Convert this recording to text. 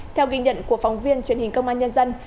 theo ghi nhận của phóng viên truyền hình công an nhân dân